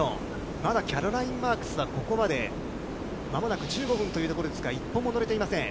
まだキャロライン・マークスは、ここまでまもなく１５分というところですが、一本も乗れていません。